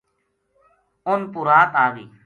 اُنھ پو رات آ گئی